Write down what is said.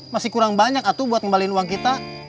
masih kurang banyak atu buat ngembalin uang kita